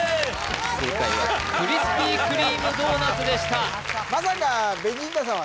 正解はクリスピー・クリーム・ドーナツでしたハハハハハ